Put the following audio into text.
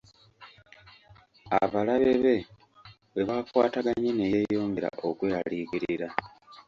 Abalabe be bwe bakwataganye ne yeeyongera okweraliikirira.